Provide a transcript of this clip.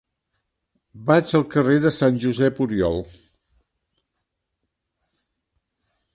Vaig al carrer de Sant Josep Oriol.